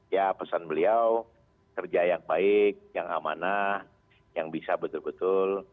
ya pesan beliau kerja yang baik yang amanah yang bisa betul betul